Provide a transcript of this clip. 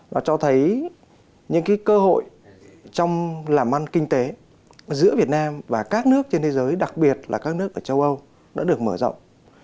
nó cho thấy những cái cơ hội trong làm ăn kinh tế giữa việt nam và các nước trên thế giới đặc biệt là các nước ở châu âu đã được mở rộng